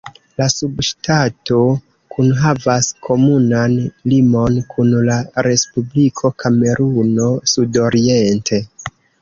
La subŝtato kunhavas komunan limon kun la Respubliko Kameruno sudoriente.